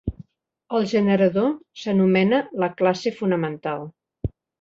El generador s'anomena "la classe fonamental".